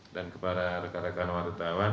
dan kepada rekan rekan wartawan